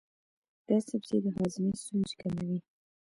دا سبزی د هاضمې ستونزې کموي.